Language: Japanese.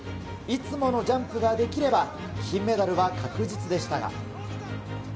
いつものジャンプができれば、金メダルは確実でしたが。